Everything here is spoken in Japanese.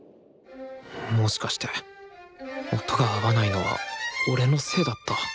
もしかして音が合わないのは俺のせいだった？